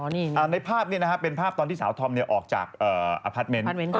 ในภาพนี้นะครับเป็นภาพตอนที่สาวธอมออกจากอพาร์ทเมนต์